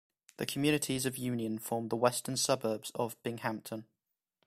The communities of Union form the western suburbs of Binghamton.